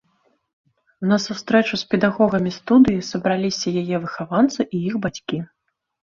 На сустрэчу з педагогамі студыі сабраліся яе выхаванцы і іх бацькі.